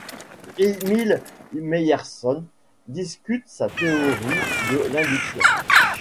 Émile Meyerson discute sa théorie de l'induction.